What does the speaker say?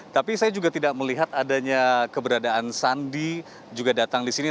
tapi saya juga tidak melihat adanya keberadaan sandi juga datang di sini